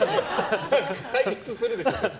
解決するでしょ。